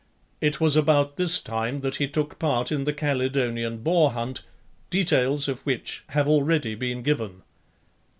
It was about this time that he took part in the Calydonian boar hunt, details of which have already been given.